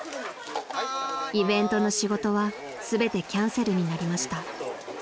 ［イベントの仕事は全てキャンセルになりました］